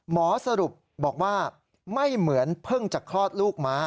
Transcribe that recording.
หมอสรุปบอกว่าไม่เหมือนเพิ่งจะคลอดลูกมา